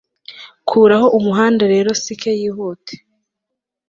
Kuraho umuhanda rero sike yihuta